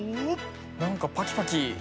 なんかパキパキ。